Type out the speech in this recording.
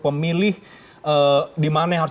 pemilih di mana yang harus